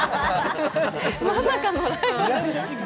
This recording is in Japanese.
まさかのライバル？